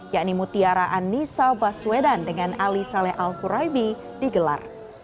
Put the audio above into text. yakni mutiara anissa baswedan dengan ali saleh al huraibi digelar